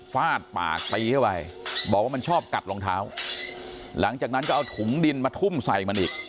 ฟาดปากตีเข้าไปบอกว่ามันชอบกัดรองเท้าหลังจากนั้นก็เอาถุงดินมาทุ่มใส่มันอีก